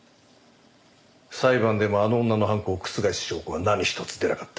裁判でもあの女の犯行を覆す証拠は何一つ出なかった。